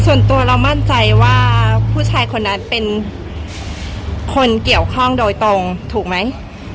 ส่วนตัวเรามั่นใจว่าผู้ชายคนนั้นเป็นคนเกี่ยวข้องโดยตรงถูกไหม